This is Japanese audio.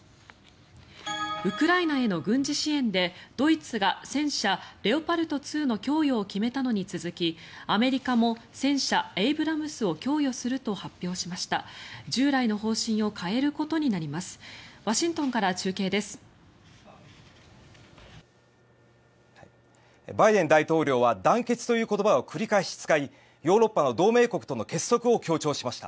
ウクライナへの軍事支援でドイツが戦車レオパルト２の供与を決めたのに続き、アメリカも戦車エイブラムスを供与すると発表しました。